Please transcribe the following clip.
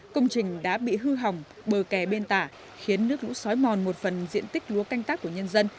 công trình đã bị hư hỏng bờ kè bên tả khiến nước lũ xói mòn một phần diện tích lúa canh tác của nhân dân